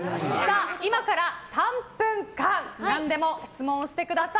今から３分間何でも質問してください。